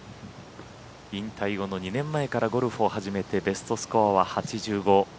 引退後の２年前からゴルフを始めてベストスコアは８５。